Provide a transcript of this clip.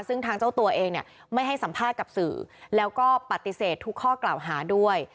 ซึ่งทางเจ้าตัวเองเนี่ยไม่ให้สัมภาษณ์กับสื่อแล้วก็ปฏิเสธทุกข้อกล่าวหาด้วย